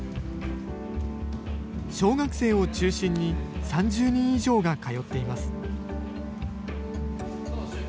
小学生を中心に３０人以上が通っています。